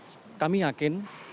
serta juga gelombang sepuluh cabang